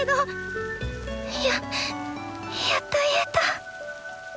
ややっと言えた！